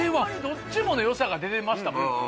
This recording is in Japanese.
どっちものよさが出てましたもん。